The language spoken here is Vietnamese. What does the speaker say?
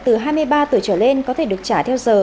từ hai mươi ba tuổi trở lên có thể được trả theo giờ